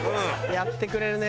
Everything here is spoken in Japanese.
やってくれるね。